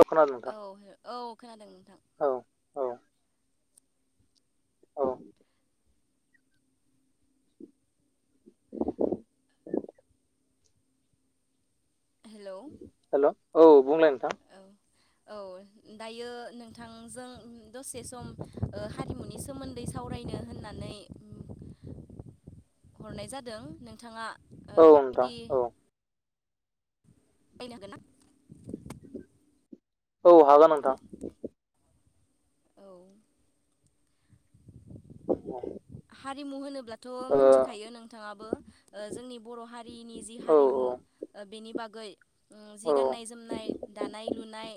औ खोनादों नोंथां औ औ खोनादों नोंथां औ औ औ हेलौ हेल' औ बुंलाय नोंथां औ औ दायो नोंथांजों दसे सम ओ हारिमुनि सोमोन्दै सावरायनो होननानै हरनाय जादों नोंथाङा ओ औ नोंथां बिबदि औ फैयनोागोनां औ हागोन नोंथां औ अ [unintelligible] हारिमु होनोब्लाथ' मोनथिखायो नोंथाङाबो ओ जोंनि बर' हारि हारिनि जि औ हारिमु ओ बेनि बागै जि औ गाननाय-जोमनाय, दानाय-लुनाय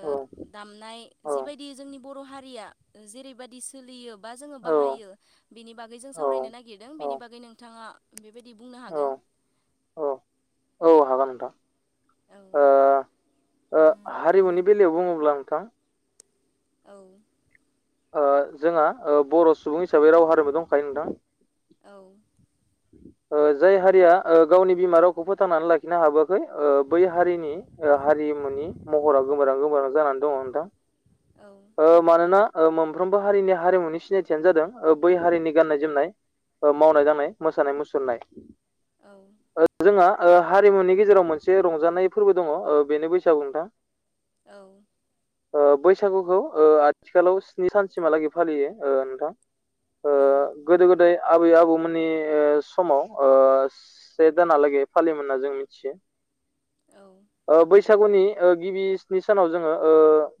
ओ औ दामनाय औ जिबायदि जोंनि बर' हारिया जेरैबाददि सोलियो बा जोङो बाहायो बेनि बागै जों सावरायनो नागिरदों बेनि बागै नोंथाङा बेनि बुंनो हागोन? औ औ हागोन नोंथां। औ ओ ओ हारिमुनि बेलायाव बुङोब्ला नोंथां औ ओ जोंहा ओ बर' सुबुं हिसाबै राव हारिमु दंखायो नोंथां औ ओ जाय हारिया ओ गावनि बिमा रावखौ फोथांनानै लाखिनो हाबोआखै ओ बै हारिनि ओ हारिमुनि महरा गोमोरां गोमोरां जानानै दङ नोंथां औ ओ मानोना ओ मोनफ्रोमबो हारिनि हारिमुनि सिनायथियानो जादों ओ बै हारिनि गाननाय जोमनाय ओ मावनाय दांनाय, मोसानाय मुसुरनाय औ जोंहा ओ हारिमुनि गेजेराव मोनसे रंजानाय फोरबो दङ ओ बेनो बैसागु नोंथां। औ ओ बैसागुखौ ओ आथिखालाव स्नि सानसिमहालागै फालियो ओ नोंथां। ओ औ गोदो गोदाय आबै-आबौमोननि ओ समाव ओ से दानलागै फालिमोन होनना जों मिथियो औ ओ बैसागुनि ओ गिबि स्नि सानाव जोङो ओ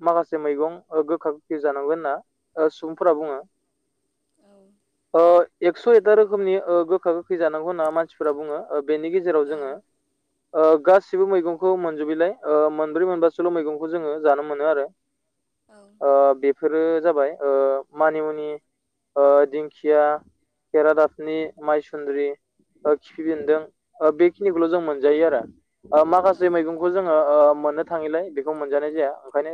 माखासे मैगं ओ गोखा गोखै जानांगोन होनना ओ सुबुंफोरा बुङो ओ एक्स' एकथा रोखोमनि ओ गोखा गोखै जानांगौ होनना मानसिफोरा बुङो ओ बेनि गेजेराव औ जोङो ओ गासिबो मैगंखौ मोनजोबैलाय ओ मोनब्रै मोनबासोल' मैगंखौल' जोङो जानो मोनो आरो। ओ बेफोरो जाबाय ओ मानिमुनि, ओ दिंखिया, केेरादाफिनि माइसुन्द्रि ओ खिफि बेन्दों ओ बेखिनिखौल' जों मोनजायो आरो। ओ औ माखासे मैगंखौ जोङो ओ मोननो थाङिलाय बेखौ मोनजानाय जाया ओंखायनो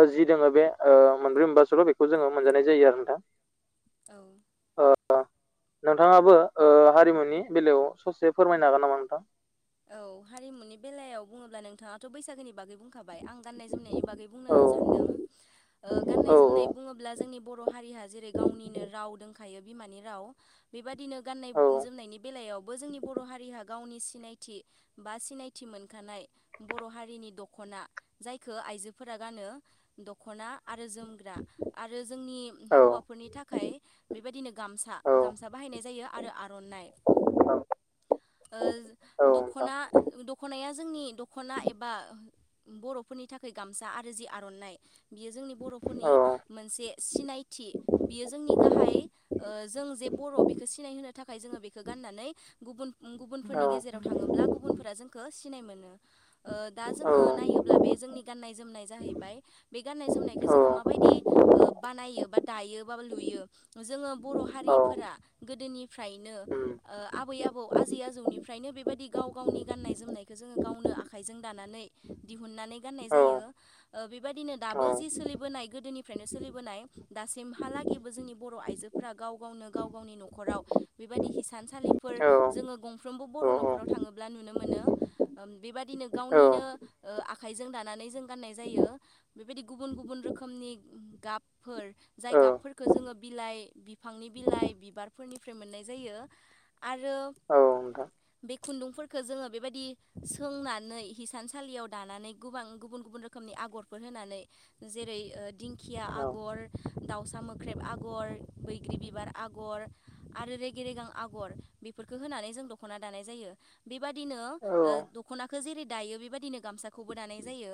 ओ जि दोङो बे ओ मोनब्रै मोनबासोल' बेखौ जोङो मोनजानाय जायो आरो नोंथां। ओ नोंथाङाबो ओ हारिमुनि बेलायाव ससे फोरमायनो हागोन नामा नोंथां? औ हारिमुनि बेलायाव बुङोब्ला नोंथाङाथ' बैसागोनि बागै बुंखाबाय आं गानाय जोमनायनि बागै बुंनो औ सानदों ओ औ गानायनाय बुङोब जोंनि बर हा रिया जेरै गावनिनो राव दंखायो बिमानि राव बेबादिनो गाननाय औ जोमनायनि बेलायावबो जोंनि बर' हारिया गावनि सिनाय थि बा सिनायथि मोनखानाय बर' हारिनि दख'ना जायखो आइजोफोरा गा नो दख'ना आरो जोमग्रा, आरो जोंनि हौवाफोरनि थाखाय बेबायदिनो गामसा औ गामसा बाहायनाय जायो आरो आर'नाइ। औ। ओ नोंथां दखना दख'नाया जोंनि दख'ना एबा बर'फोरनि थाखाय गामसा आरो जि आर'नाइ बियो जोंनि बर'फोरनि औ मोनसे सिनायथि। बियो जोंनि गाहाय ओ जों जे बर' बेखौ सिनायहोनो थाखाय जोङो बेखो गाननानै गुबुन औ गुबुनफोरनि गेजेर आव थाङोब्ला गुबुन जोंखो सिनाय मोनो। ओ दा औ जोङो नायोब्ला बे जोंनि गनायनाय जोमनाय जाहैबाय बे गाननाय जोमनायखौ जोङो माबायदि ओ बानायो एबा दायो मा बा लुयो जो ङो बर' औ हारिफोरा गोदोनिफ्रायनो उम ओ आबै आबौ आजै आजौनि फ्रायनो बेबायदि गाव गावनि गाननाय जोमनायखौ जोङो गावनो आखाइजों दानानै दिहुननानै गाननाय औ जायो। ओ बेबायदिनो औ दाबो जि सोलिबोनाय गोदोनिफ्रायनो सोलिबोनाय दासिमहालागैबो जोंनि ब र' आइजोफोरा गाव गावनो गाव गावनि न'खराव बेबायदि हिसानसालिफोर औ जोङो गं फ्रोमबो औ बर' न'खराव थाङोब्ला नुनो मोनो। बेबादिनो औ गावनिनो ओ आखाइजों दानानै जों गाननाय जयो बेबायदि गुबन गुबन रोखोमनि गाबफोर जाय गाबफोरखो जों ङो बिलाइ बिफांनि बिलाइ बिबारफोरनिफ्राय मोननाय जायो। आरो औ नोंथां औ बे खुन्दुंफोरखो जोङो बेबायदि सोंनानै हिसानसालियाव दानानै गोबां गुबु गुबुन रोखोमनि आगरफोर होनानै। जेरै दिंखिया आगर दाउसा मोख्रेब आ गर बैग्रि बिबार आगर आरो रेगे रेगां आग'र बेफोरखौ होनानै जों द ख'ना दानाय जायो। बेबायदिनो ओ दख'ना खो जेरै दायो बेबायदिनो गामसाखौबो दानाय जायो।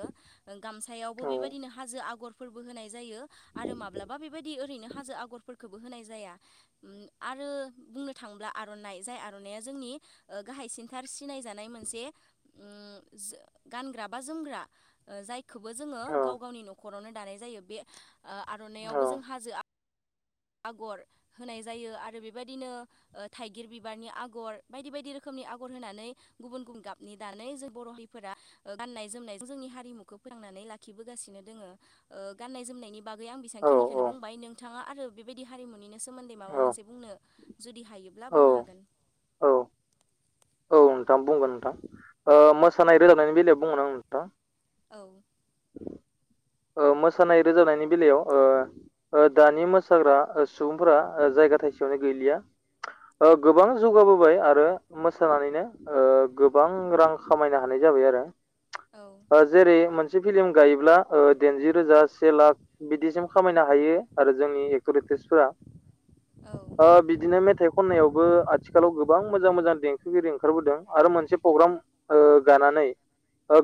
गामसायावबो बेबायदिनो हाजो आगर फोरबो होनाय जायो आरो माब्लाबा बेबायदि ओरैनो हाजो आगरफोरखोबो होनाय जाया। उम आ रो बुंनो थाङोब्ला आर'नाइ जाय आर'नाइया जोंनि ओ गाहायसिनथार सिनाय जानाय मोनसे उम जो गानग्रा बा जोमग्रा। ओ जाय खौबो जोङो गाव गावनि न'खरावनो दानाय जायो बे आ-आर'नाइआवबो जों हाजो आ आगर होनाय जायो आरो बेबायदिनो ओ थाइगिर बिबारनि आगर बायदि बायदि रोखोम नि आगर होनानै गुबुन गुबुन गाबनि दनानै जों बर' हारिफोरा गाननाय जोमनाय जोंनि हारिमुखौ फो थांनानै लाखिबोगासिनो दोङो। ओ गान्नाय जोमनायनि बागै आं बेसेबांखिनिखौनो बुंबाय नोंथाङा आरो बेबायदि हारिमुनिनो सोमोन्दै माबा मोनसे बुंनो जुदि हायोब्ला औ बुंनो हागोन। औ नोंथां बुंगोन नोंथां मोसानाय रोजाबनायनि बेलायाव बुंगोन आं नोंथां। औ। ओ मोसानाय रोजाबनि बेलायाव ओ ओ दानि मोसाग्रा सुबुंफोरा जाय गा थाइसेयावनो गैलिया ओ गोबां जौगाबोबाय आरो मोसानानैनो ओ गोबां रां खामायनो हानाय जाबाय आरो। औ जेरै मोन से फिल्म गायोब्ला ओ दाइनजि रोजा से लाख बिदिसिम खामा हायो आरो जोंनि एक्टर एकट्रिसफोरा औ ओ बिदिनो मेथाइ खननायावबो आथिखालाव गोबां मोजां मोजां देंखोगिरि ओंखारबोदों आरो मोनसे प्रग्राम ओ गानानै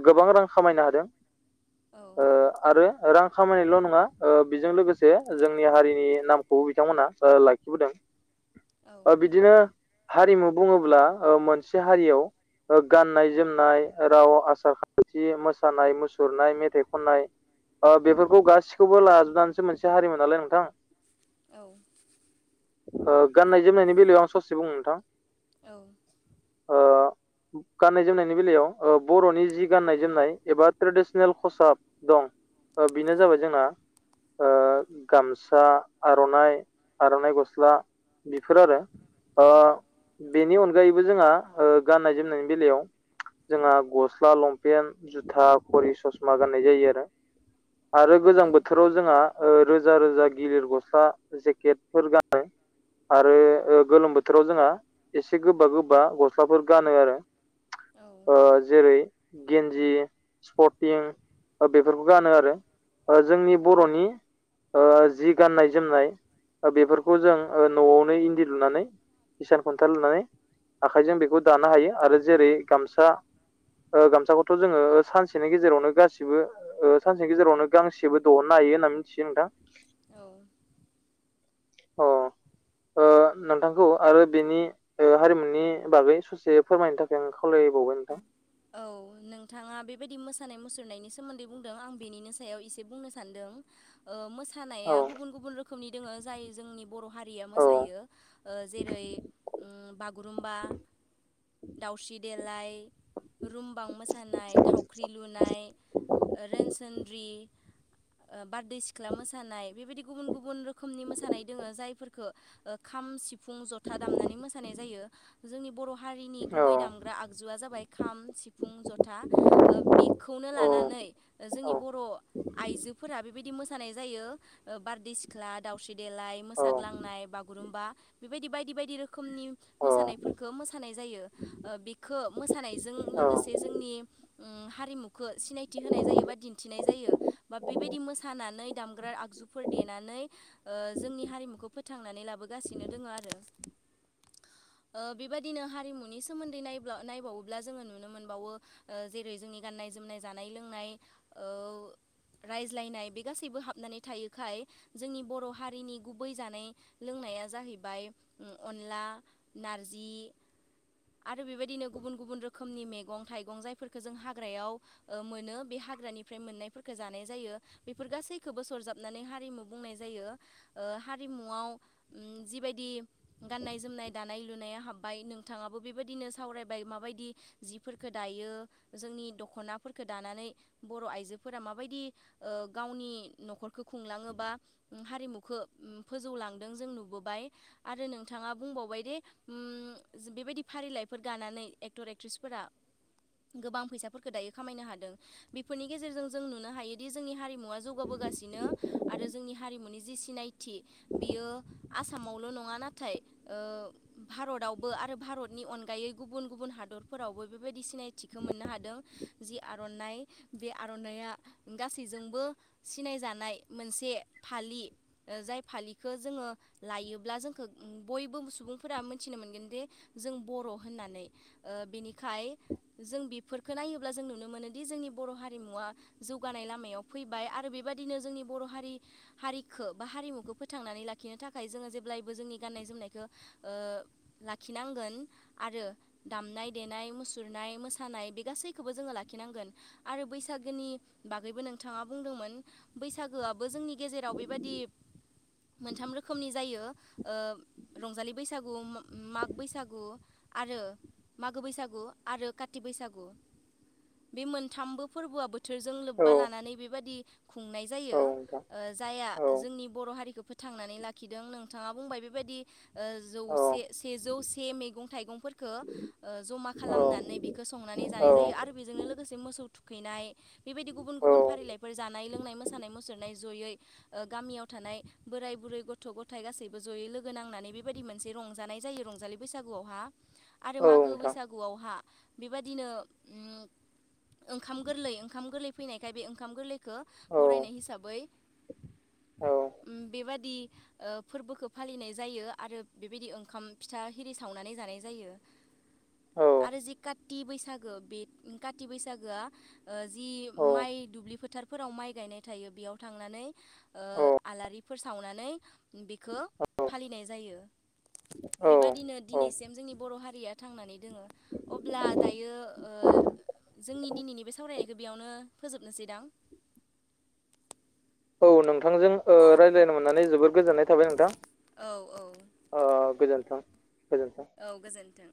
गोबां रां खामायनो हादों। औ ओ आरो रां खामायनायल' नङा ओ बेजों लोगोसे जोंनि हारिनि नामखौ बिथांमोना ओ लाखिबोदों। ओ बिदिनो हारिमु बुङोब्ला मोनसे हारियाव ओ गाननाय जोमनाय राव आसार खान्थि मोसानाय मुसुरनाय मेथाइ खननाय ओ बेफोरखौ गासिखौबो लाजोबनानैसो मोनसे हारिमु नालाय नोंथां औ ओ गाननाय जोमनायनि बेलायाव आं ससे बुंङो नोंथां औ [unintelligible] ओ गाननाय जोमनायनि बेलायाव बर'नि जि गाननाय जोमनाय एबा ट्रेडिसनेल खसाब दं बेनो जाबाय जोंना गामसा आर'नाइ आर'नाइ गस्ला बेफोर आरो औ बेनि अनगायै जोंहा गाननाय जोमनायनि बेलायाव जोंहा गस्ला लंपेन्ट जुथा खरि ससमा गाननाय जायो आरो आरो गोजां बोथोराव जोंहा रोजा रोजा गिलिर गस्ला जेकेटफोर गानो आरो गोलोम बोथोराव जोंहा एसे गोबा गोबा गस्लाफोर गानो आरो जेरै गेन्जि स्पर्टिं बेफोरखौ गानो आरो जोंनि बर'नि जि गाननाय जोमनाय बेफोरखौ जों न'आवनो इन्दि लुनानै हिसान खन्थाल लुनानै आखाइजों बेखौ दानो हायो आरो जेरै गामसा गामसाखौथ' जोङो सानसेनि गेजेरावनो गासिबो सानसेनि गेजेरावनो गांसेबो दिहननाय हायो होनना मिथियो नोंथां औ अ नोंथांखौ आरो बेनि हारिमुनि बागै ससे फोरमायनो थाखाय आं खावलाय औ नोंथाङा बे बेबादि मोसानाय मुसुरनायनि सोमोनन्दै बुंदों आं बेनिनो सायाव एसे बुंनो सानदों मोसानाय औ मोसानाया गुबुन गुबुन रोखोमनि दङो जाय जोंनि बर' हारिया औ मोसायो जेरै बागुरुम्बा दउस्रि देलाय रुमबां मोसानाय थावख्रि लुनाय रोनसोनद्रि बारदै सिख्ला मोसानाय बेबायदि गुबुन गुबुन रोखोमनि मोसानाय दोङो जायफोरफोरखौ खाम सिफुं सिफुं जथा दामनानै मोसानाय जायो जोंनि बर' हारिनि गुबै दामग्रा आगजुआ जाबाय खाम सिफुं जथा बेखौनो औ लानानै जोंनि बर' आइजोफोरा बेबायदि मोसानाय जायो बारदै सिख्ला दावस्रि देलाय औ मोसाग्लांनाय बागुरुम्बा बेबायदि बायदि बायदि रोखोम रोखोमनि मोसानायफोरखौ मोसानाय जायो बेखौ मोसानायजों औ लोगोसे जोंनि हारिमुखौ सिनायथि होनाय जायो बा दिन्थिनाय जायो बा बेबायदि मोसानानै दामग्रा आगजु जुफोर देनानै जोंनि हारिमुखौ फोथांनानै लाबोगासिनो दङ आरो बेबादिनो हारिमुनि सोमोन्दै नाय नायबावो ब्ला जोङो नुनो मोनबावो जेरै जोंनि गाननाय जोमनाय जानाय लोंनाय रायज्लायनाय बे गासैबो हाबनानै थायोखाय जोंनि बर' हारिनि गुबै जानाय लोंनाय जाहैबाय अनला नारजि आरो बेबादिनो गुबुन गुबुन रोखोमनि मैगं थाइगं जायफोरखौ जों हाग्रायाव मोनो बे हाग्रानिफ्राय मोननायफोरखौ जानाय जायो बेफोर गासैखौबो सरजाबनानै हारिमु बुंनाय जायो हारिमुआव जिबायदि गाननाय जोमनाय दानाय लुनाया हाबबाय नोंथाङाबो बेबायदिनो सावरायबाय माबायदि बिदि जिफोरखौ दायो जोंनि दख'नाफोरखौ दानानै बर' आइजोफोरा माबायदि गावनि न'खरखौ खुंलाङोबा हारिमुखौ फोजौलांदों जों नुबोबाय आरो नोंथाङा बुंबावबाय दि बेबायदि फारिलाइफोर गानानै एक्टर एक्ट्रिसफोरा गोबां फैसाफोरखौ दायो खामायनो हादों बेफोरनि गेजेरजों जों नुनो हायोदि जोंनि हारिमु जौगाबोगासिनो आरो जोंनि हारिमुनि जि सिनायथि बियो आसामावल' नङा नाथाय भारत आवबो आरो भारतनि अनगायै गुबुन गुबुन हादरफोरावबो बेबायदि सिनायथिखौ मोननो हादों जि आर'नाइ बे आर'नाइआ गासैजोंबो सिनायजानाय मोनसे फालि जाय फालिखौ जोङो लायोब्ला जोंखौ बयबो सुबुंफोरा मोनथिनो मोनगोनदि जों बर' होननानै बेनिखाय जों बेफोरखौ नायोब्ला जों नुनो मोनोदि जोंनि बर' हारिमुवा जों जौगानाय लामायाव फैबाय आरो बेबायदिनो जोंनि बर' हारि हारिखौ बा हारिमुखौ फोथांनानै लाखि लाखिनो थाखाय जोङो जेब्लायबो जोंनि गाननाय जोमनायखौ लाखिनांगोन आरो दामनाय देनाय मुसुरनाय मोसानाय बे गासैखौबो जोङो लाखिनांगोन आरो बैसागोनि बागैबो नोंथाङा बुंदोंमोन बैसागोआबो जोंनि गेजेराव बेबायदि मोनथाम रोखोमनि जायो। रंजालि बैसागु माग बैसागु आरो मागो बैसागु आरो काति बैसागु बे मोनथामबो फोरबोआबो बोथोरजों लोब्बा लानानै बेबादि खुंनाय औ जायो नोंथां जायहा औ जोंनि बर' हारिखौ फोथार थांनानै लाखिदों नों नोंथाङा बुंबाय बेबायदि औ जौसे सेजौ से मैगं थाइगंफोरखौ जमा औ खालामनानै बेखौ संनानै जानाय जायो आरो बेजोंनो लोगोसे मोसौ थुखैनाय बेबायदि गुबुन औ गुबुन फारिलाइफोर जानाय लोंनाय मोसानाय मुसुरनाय जयै गामियाव थानाय बोराय बुरै गथ' गथाय गासैबो ज'यै लोगो नांनानै बेबायदि मोनसे रंजानाय जायो रंजालि बैसागुआवहा आरो औ मागो नोंथां बैसागुआवहा बेबादिनो ओंखाम गोरलै ओंखाम गोरलै फैनायखाय बे ओंखाम गोरलै औ बरायनाय हिसाबै औ बेबादि फोरबोखौ फालिनाय जायो आरो बेबायदि ओंखाम फिथा हिरि सावनानै जानाय जायो। औ आरो जि काति बैसागो बे काति बैसागोआ जि औ माइ दुब्लि फोथारफोराव माइ गायनाय थायो बेयाव थांनानै औ आलारि फोर सावनानै बेखौ फालिनाय जायो। औ बेबादिनो औ दिनैसिम जोंनि बर' हारिया थांनानै दोङो अब्ला दायो बे जोंनि दिनैनि बे सावरायनायखौ बेयावनो फोजोबनोसै दां? [inaudible] औ नोंथांजों [inaudible] जोबोद गोजोननाय थाबाय नोंथां। औ औ ओ गोजोन्थों गोजोन्थों औ गोजोन्थों।